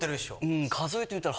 うん数えてみたら。